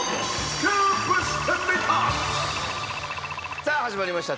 さあ始まりました